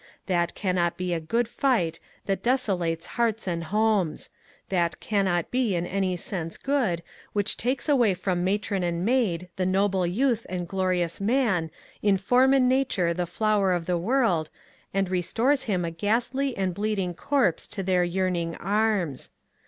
That cannot be a good fight that desolates hearts and homes ; that cannot be in any sense good which takes away from matron and maid the noble youth and glorious man, in form and nature the flower of the world, and restores him a ghastly and bleeding corpse to their yearning arms.